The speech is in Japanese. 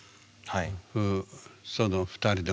はい。